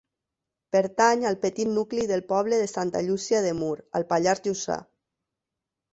Pertany al petit nucli del poble de Santa Llúcia de Mur, al Pallars Jussà.